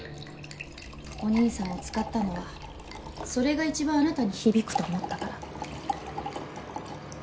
お兄さんを使ったのはそれが一番あなたに響くと思ったから。